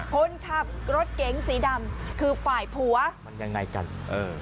คนขับรถเก๋งสีดำคือฝ่ายผัวมันยังไงกันเออ